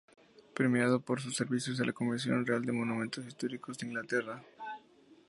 Premiado por sus servicios a la Comisión Real de Monumentos Históricos de Inglaterra.